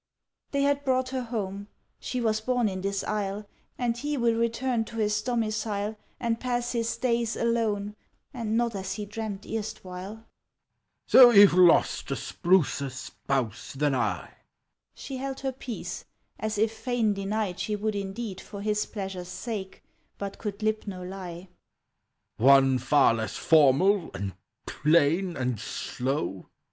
"They had brought her home: she was born in this isle; And he will return to his domicile, And pass his days Alone, and not as he dreamt erstwhile!" "—So you've lost a sprucer spouse than I!" She held her peace, as if fain deny She would indeed For his pleasure's sake, but could lip no lie. "One far less formal and plain and slow!"